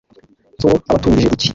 nsoro abatungije iki ?